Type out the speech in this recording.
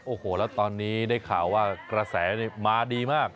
โอ้โหแล้วตอนนี้ได้ข่าวว่ากระแสมาดีมาก